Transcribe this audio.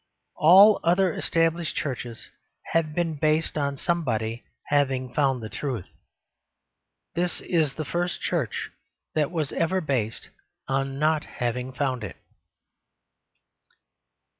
All other established Churches have been based on somebody having found the truth. This is the first Church that was ever based on not having found it.